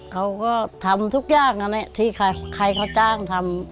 เขาก็ทำทุกอย่างนั่นแหละที่ใครเขาจ้างทำ